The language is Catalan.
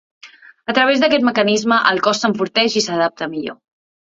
A través d'aquest mecanisme, el cos s'enforteix i s'adapta millor.